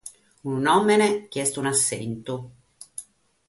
Unu nùmene chi est un’assentu.